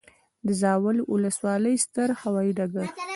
د زاول وسلوالی ستر هوایي ډګر